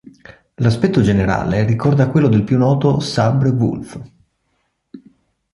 L'aspetto generale ricorda quello del più noto "Sabre Wulf".